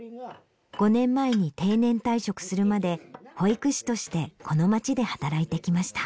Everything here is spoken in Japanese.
５年前に定年退職するまで保育士としてこの町で働いてきました。